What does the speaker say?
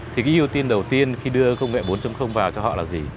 thì cái ưu tiên đầu tiên khi đưa công nghệ bốn vào cho họ là gì